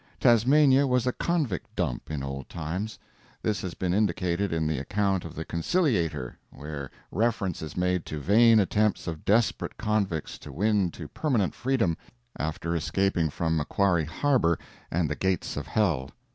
Tasmania was a convict dump, in old times; this has been indicated in the account of the Conciliator, where reference is made to vain attempts of desperate convicts to win to permanent freedom, after escaping from Macquarrie Harbor and the "Gates of Hell."